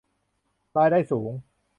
รายได้สูง